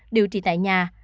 điều trị tại nhà